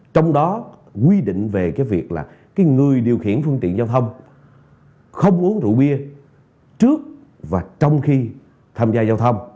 trong đó quy định về cái việc là cái người điều khiển phương tiện giao thông không uống rượu bia trước và trong khi tham gia giao thông